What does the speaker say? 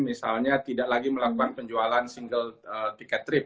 misalnya tidak lagi melakukan penjualan single ticket trip